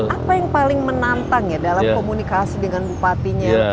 apa yang paling menantang ya dalam komunikasi dengan bupatinya